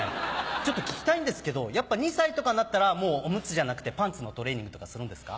ちょっと聞きたいんですけどやっぱ２歳とかになったらもうオムツじゃなくてパンツのトレーニングとかするんですか？